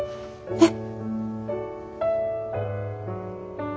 えっ？